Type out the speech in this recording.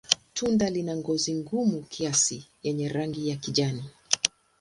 Tunda lina ngozi gumu kiasi yenye rangi ya kijani.